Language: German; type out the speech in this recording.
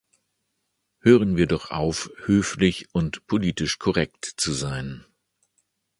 Hören wir doch auf, höflich und politisch korrekt zu sein.